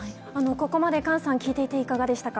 ここまでＫａｎさん聞いていていかがでしたか？